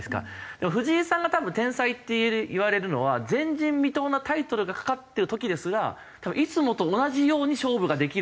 でも藤井さんが多分天才って言われるのは前人未到なタイトルがかかっている時ですら多分いつもと同じように勝負ができるからだと思うんですよ。